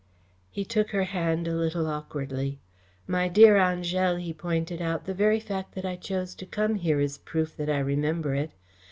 He took her hand a little awkwardly. "My dear Angèle," he pointed out, "the very fact that I chose to come here is proof that I remember it.